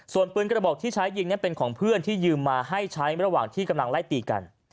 ส่วนปืนกระบอกที่ใช้ยิงเป็นของเพื่อนที่ยืมมาให้ใช้ระหว่างที่กำลังไล่ตีกัน